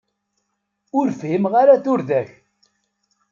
Ur fhimen ara turda-k.